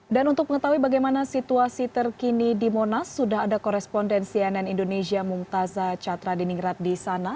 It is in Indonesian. dan untuk mengetahui bagaimana situasi terkini di monas sudah ada korespondensi ann indonesia mungtaza catra diningrat di sana